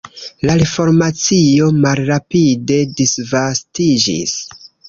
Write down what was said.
La reformacio malrapide disvastiĝis.